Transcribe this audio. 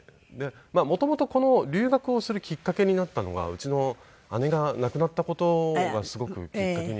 元々この留学をするきっかけになったのがうちの姉が亡くなった事がすごくきっかけにはなっていて。